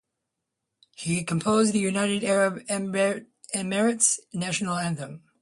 He composed the United Arab Emirates' national anthem.